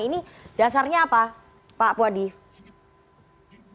ini dasarnya apa pak puadi